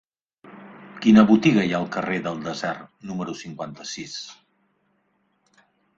Quina botiga hi ha al carrer del Desert número cinquanta-sis?